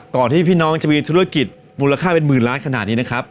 ที่พี่น้องจะมีธุรกิจมูลค่าเป็นหมื่นล้านขนาดนี้นะครับ